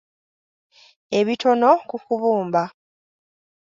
Ebitono ku kubumba.